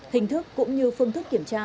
hình thức cũng như phương thức kiểm tra